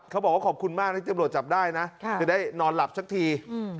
เขาบอกว่าขอบคุณมากที่ตำรวจจับได้นะจะได้นอนหลับสักที